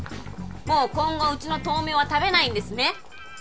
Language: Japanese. もう今後うちの豆苗は食べないんですね！？